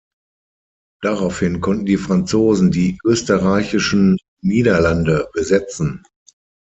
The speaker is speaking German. Daraufhin konnten die Franzosen die Österreichischen Niederlande besetzen.